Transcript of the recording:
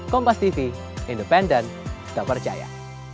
kompas tv independen tak percaya